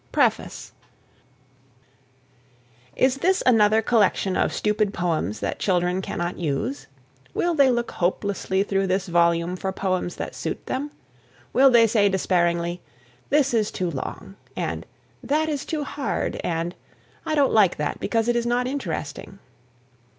PREFACE Is this another collection of stupid poems that children cannot use? Will they look hopelessly through this volume for poems that suit them? Will they say despairingly, "This is too long," and "That is too hard," and "I don't like that because it is not interesting"?